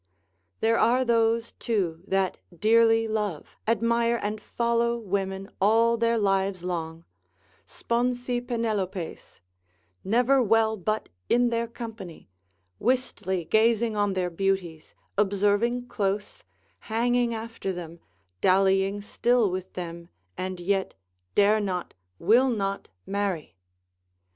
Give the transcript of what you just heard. There are those too that dearly love, admire and follow women all their lives long, sponsi Penelopes, never well but in their company, wistly gazing on their beauties, observing close, hanging after them, dallying still with them, and yet dare not, will not marry.